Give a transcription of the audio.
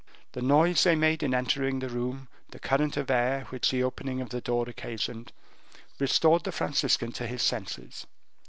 The noise they made in entering the room, the current of air, which the opening of the door occasioned, restored the Franciscan to his senses.